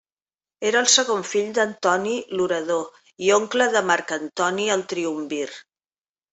Era el segon fill d'Antoni l'orador i oncle de Marc Antoni el triumvir.